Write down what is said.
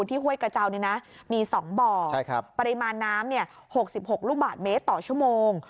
ห้วยกระเจ้ามี๒บ่อปริมาณน้ำ๖๖ลูกบาทเมตรต่อชั่วโมง